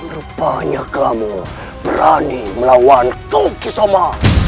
rupanya kamu berani melawan kaukusoma